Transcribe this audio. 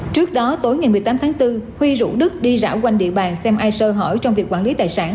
trước đó tối ngày một mươi tám tháng bốn huy rủ đức đi rảo quanh địa bàn xem ai sơ hỏi trong việc quản lý tài sản